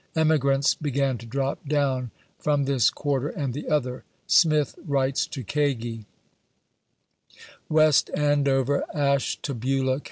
Emigrants began to drop down, from this quarter and the other. Smith writes to Kagi :— West Andoveh, Ashtabula Co.